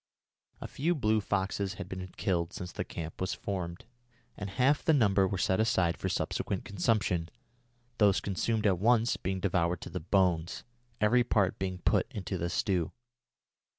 A few blue foxes had been killed since the camp was formed, and half the number were set aside for subsequent consumption, those consumed at once being devoured to the bones, every part being put into the stew.